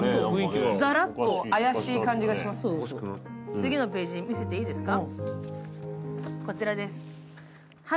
次のページ、見せていいですか？